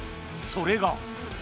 それが。